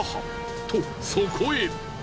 とそこへ。